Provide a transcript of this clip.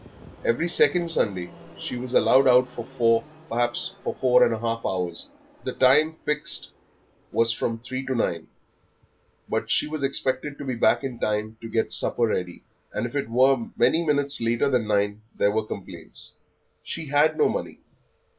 Every second Sunday she was allowed out for four, perhaps for four and a half hours; the time fixed was from three to nine, but she was expected to be back in time to get the supper ready, and if it were many minutes later than nine there were complaints. She had no money.